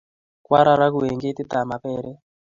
Kwa raragu eng' ketit ab maperek